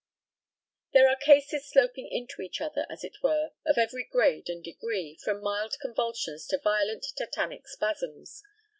There are cases sloping into each other, as it were, of every grade and degree, from mild convulsions to violent tetantic spasms.